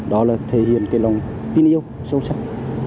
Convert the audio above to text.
đó là thể hiện cái lòng tin yêu sâu sắc